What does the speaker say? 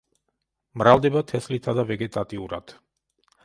მრავლდება თესლითა და ვეგეტატიურად.